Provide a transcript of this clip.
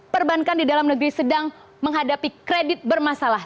perbankan di dalam negeri sedang menghadapi kredit bermasalah